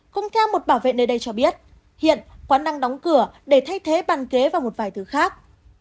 cùng theo một bảo vệ nơi đây cho biết hiện quán đang đóng cửa để thay thế bàn kế và một vài thứ khác